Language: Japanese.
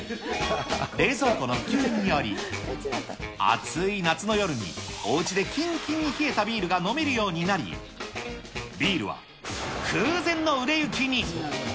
冷蔵庫の普及により、暑い夏の夜におうちできんきんに冷えたビールが飲めるようになり、ビールは空前の売れ行きに。